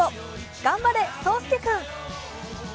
頑張れ、颯亮君。